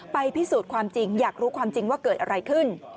พิสูจน์ความจริงอยากรู้ความจริงว่าเกิดอะไรขึ้น